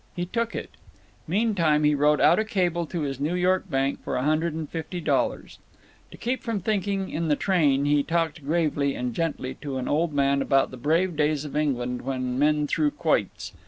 He took it. Meantime he wrote out a cable to his New York bank for a hundred and fifty dollars. To keep from thinking in the train he talked gravely and gently to an old man about the brave days of England, when men threw quoits.